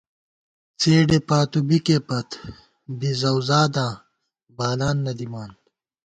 څېڈے پاتُو بِکے پت بی زَؤزاداں بالان نہ دِمان